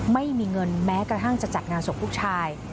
ไม่มีเงินแม้กระทั่งจะจัดงานศพลูกชาย